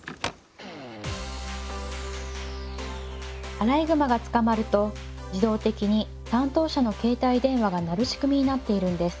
アライグマが捕まると自動的に担当者の携帯電話が鳴る仕組みになっているんです